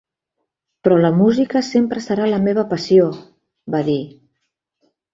Però la música sempre serà la meva passió, va dir.